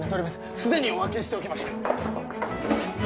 すでにお分けしておきました